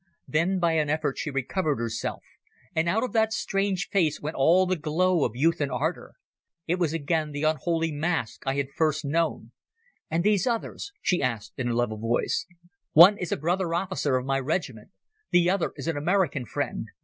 Then by an effort she recovered herself, and out of that strange face went all the glow of youth and ardour. It was again the unholy mask I had first known. "And these others?" she asked in a level voice. "One is a brother officer of my regiment. The other is an American friend.